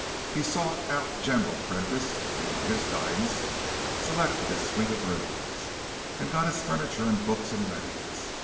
He sought out General Prentice, and under his guidance selected his suite of rooms, and got his furniture and books in readiness.